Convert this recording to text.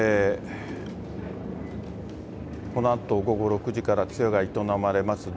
このあと、午後６時から通夜が営まれます